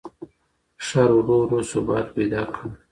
ښار ورو ورو ثبات پیدا کړ.